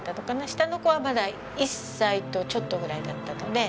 下の子はまだ１歳とちょっとぐらいだったので。